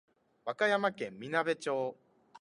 和歌山県みなべ町